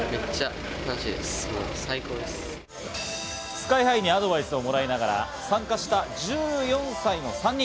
ＳＫＹ−ＨＩにアドバイスをもらいながら参加した１４歳の３人。